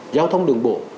giao thông đường bộ